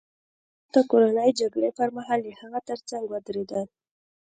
وروسته د کورنۍ جګړې پرمهال د هغه ترڅنګ ودرېدل